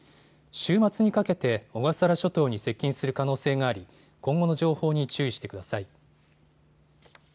週末にかけて小笠原諸島に接近する可能性があり今後の情報に注意してください。